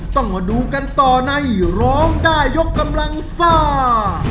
ต้องมาดูกันต่อในร้องได้ยกกำลังซ่า